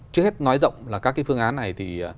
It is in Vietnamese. trước hết nói rộng là các cái phương án này thì